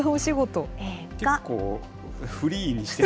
結構、フリーにして。